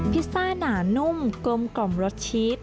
พิซซ่าหนานุ่มกลมกล่อมรสชีส